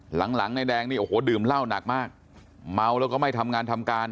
หลังหลังนายแดงนี่โอ้โหดื่มเหล้าหนักมากเมาแล้วก็ไม่ทำงานทำการ